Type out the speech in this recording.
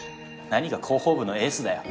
何が広報部のエースだよ